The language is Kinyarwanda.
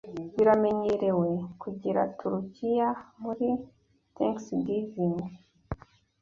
Biramenyerewe kugira turukiya muri Thanksgiving.